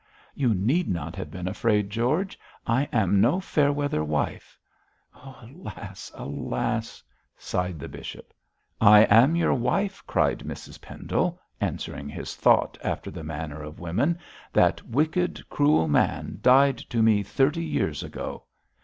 'You need not have been afraid, George. I am no fairweather wife.' 'Alas! alas!' sighed the bishop. 'I am your wife,' cried Mrs Pendle, answering his thought after the manner of women; 'that wicked, cruel man died to me thirty years ago.'